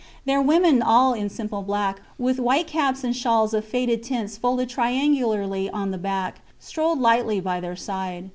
Their women all in simple black, with white caps and shawls of faded tints folded triangularly on the back, strolled lightly by their side.